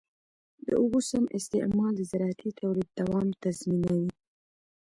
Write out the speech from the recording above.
د اوبو سم استعمال د زراعتي تولید دوام تضمینوي.